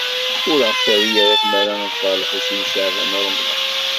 Ur aɣ-terri tmara ad neḍfer Lḥusin n Caɛban u Ṛemḍan.